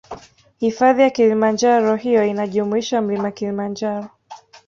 Hifadhi ya kilimanjaro hiyo inajumuisha mlima kilimanjaro